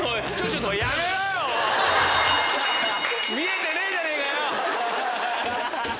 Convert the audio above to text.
見えてねえじゃねかよ！